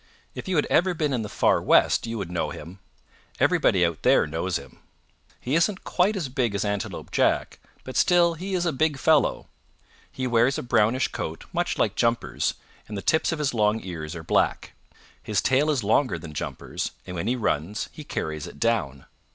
"If you had ever been in the Far West you would know him. Everybody out there knows him. He isn't quite as big as Antelope Jack but still he is a big fellow. He wears a brownish coat much like Jumper's, and the tips of his long ears are black. His tail is longer than Jumper's, and when he runs he carries it down."